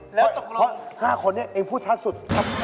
เพราะ๕คนนี้เองพูดชัดสุด